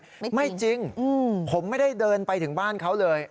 ไม่จริงไม่จริงอืมผมไม่ได้เดินไปถึงบ้านเค้าเลย